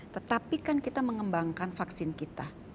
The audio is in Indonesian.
tetapi kan kita mengembangkan vaksin kita